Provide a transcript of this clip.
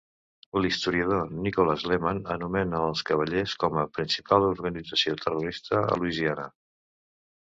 L'historiador Nicholas Lemann anomena els Cavallers com a la principal organització terrorista a Louisiana.